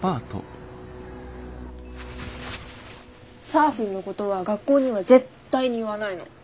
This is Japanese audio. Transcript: サーフィンのことは学校には絶対に言わないの。